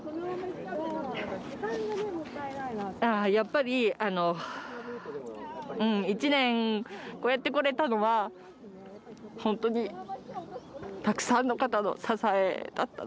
ああやっぱり１年こうやってこられたのは本当にたくさんの方の支えだったなと。